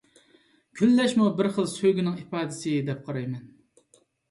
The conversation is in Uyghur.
كۈنلەشمۇ بىر خىل سۆيگۈنىڭ ئىپادىسى، دەپ قارايمەن.